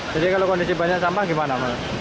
jadi kalau kondisi banyak sampah gimana